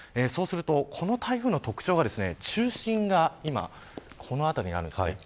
この台風の特調は、中心が今、この辺りにあるんです。